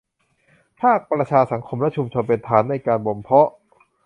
ภาคประชาสังคมและชุมชนเป็นฐานในการบ่มเพาะ